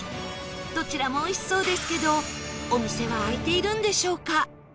どちらもおいしそうですけどお店は開いているんでしょうか？